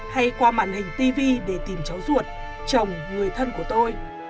hay qua màn hình tv để tìm cháu ruột chồng người thân của tôi